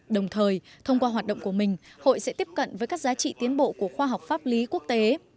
đồng thời thông qua hoạt động của mình hội sẽ tiếp cận với các giá trị tiến bộ của khoa học pháp lý quốc tế